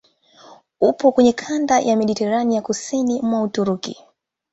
Upo kwenye kanda ya Mediteranea kusini mwa Uturuki.